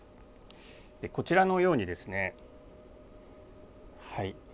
こちらのようにですねはい。